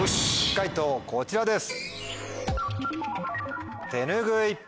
解答こちらです。